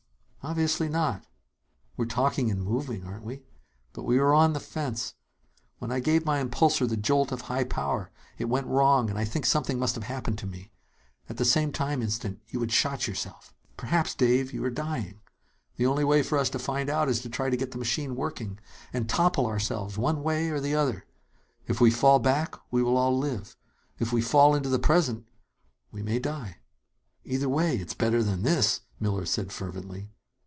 "Obviously not. We're talking and moving, aren't we? But we are on the fence. When I gave my impulsor the jolt of high power, it went wrong and I think something must have happened to me. At the same instant, you had shot yourself. "Perhaps, Dave, you are dying. The only way for us to find out is to try to get the machine working and topple ourselves one way or the other. If we fall back, we will all live. If we fall into the present we may die." "Either way, it's better than this!" Miller said fervently.